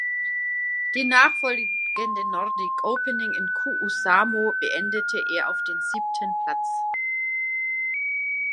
Die nachfolgende Nordic Opening in Kuusamo beendete er auf den siebten Platz.